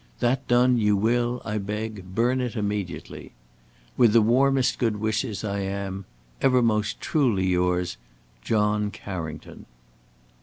That done, you will, I beg, burn it immediately. "With the warmest good wishes, I am, "Ever most truly yours, "John Carrington."